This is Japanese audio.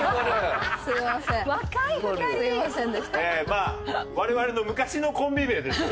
まあ我々の昔のコンビ名ですね。